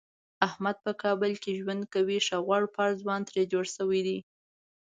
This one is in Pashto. احمد په کابل کې ژوند کوي ښه غوړپېړ ځوان ترې جوړ شوی دی.